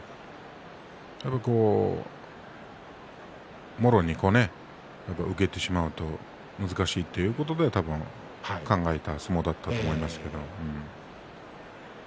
やっぱりこう、もろに受けてしまうと難しいということで、多分考えた相撲だったと思いますけど。